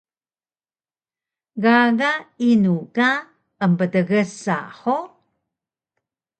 Gaga inu ka emptgsa hug?